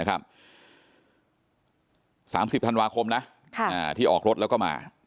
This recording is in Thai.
๓๐ธันวาคมนะที่ออกรถแล้วก็มา